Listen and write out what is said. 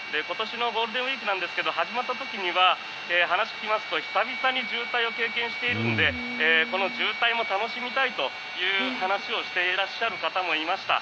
今年のゴールデンウィークですが始まった時には話を聞きますと久々に渋滞を経験しているのでこの渋滞も楽しみたいという話をしていらっしゃる方もいました。